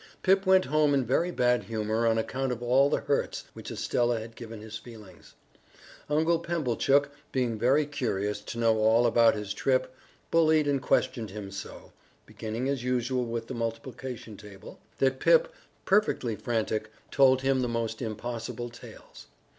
Pip went home in very bad humor on account of all the hurts which Estella had given his feelings. Uncle Pumblechook, being very curious to know all about his trip, bullied and questioned him so (beginning as usual with the multiplication table) that Pip, perfectly frantic, told him the most impossible tales.